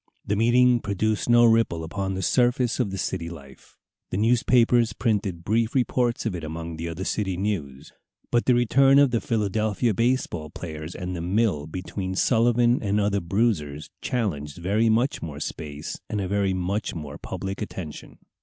The meeting produced no ripple upon the surface of the city life. The newspapers printed brief reports of it among the other city news. But the return of the Philadelphia baseball players, and the "mill" between Sullivan and other bruisers, challenged very much more space and a very much more public attention.